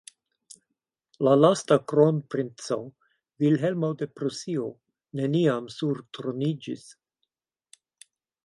La lasta kronprinco, Vilhelmo de Prusio, neniam surtroniĝis.